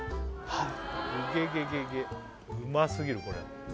はい